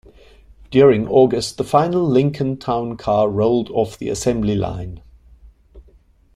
During August, the final Lincoln Town Car rolled off the assembly line.